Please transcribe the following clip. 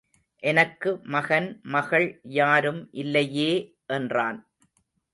எனக்கு மகன் மகள் யாரும் இல்லையே என்றான்.